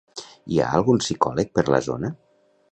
Hi ha algun psicòleg per la zona?